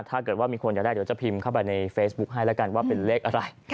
ถ้าเกิดว่ามีคนอยากได้เดี๋ยวจะพิมพ์เข้าไปในเฟซบุ๊คให้แล้วกันว่าเป็นเลขอะไร